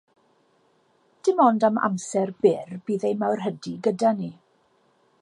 Dim ond am amser byr bydd ei mawrhydi gyda ni.